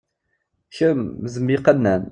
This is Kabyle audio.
Kemm, d mm yiqannan!